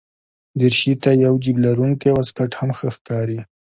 دریشي ته یو جېب لرونکی واسکټ هم ښه ښکاري.